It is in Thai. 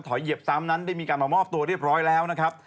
เหยียบซ้ำนั้นได้มีการมามอบตัวเรียบร้อยแล้วนะครับ